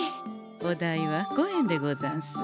お代は５円でござんす。